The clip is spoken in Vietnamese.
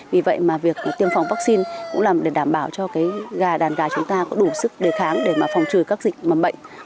vì vậy mà việc tiêm phòng vaccine cũng làm để đảm bảo cho cái gà đàn gà chúng ta có đủ sức đề kháng để mà phòng trừ các dịch mầm bệnh